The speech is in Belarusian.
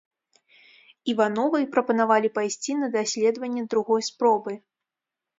Івановай прапанавалі пайсці на даследванне другой спробы.